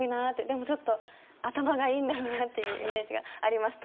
でもちょっと頭がいいんだろうなっていうイメージがあります